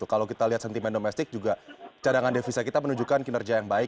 kalau kita lihat sentimen domestik juga cadangan devisa kita menunjukkan kinerja yang baik